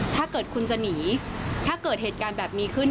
ถ้าเกิดคุณจะหนีถ้าเกิดเหตุการณ์แบบนี้ขึ้น